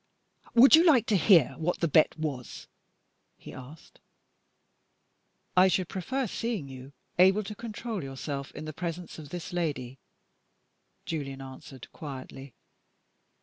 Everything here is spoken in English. "Would you like to hear what the bet was?" he asked. "I should prefer seeing you able to control yourself in the presence of this lady," Julian answered, quietly.